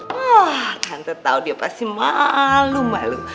wah tante tahu dia pasti malu malu